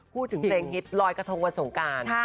เพลงฮิตลอยกระทงวันสงการ